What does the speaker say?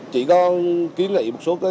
chỉ có kiến nghị một số